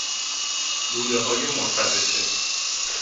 لوله های مرتبطه